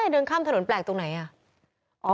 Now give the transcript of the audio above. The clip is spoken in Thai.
เดินข้ามถนนแปลกตรงไหนอ่ะ